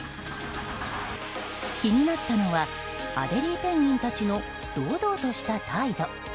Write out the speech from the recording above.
気になったのはアデリーペンギンたちの堂々とした態度。